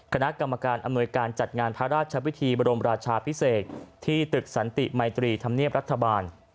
คณะกรรมการอำนวยการจัดงานพระราชวิธีบรมราชาพิเศษที่ตึกสันติมัยตรีธรรมเนียบรัฐบาล